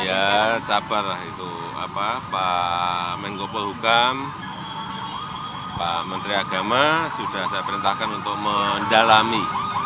ya sabar lah itu pak menkopol hukam pak menteri agama sudah saya perintahkan untuk mendalami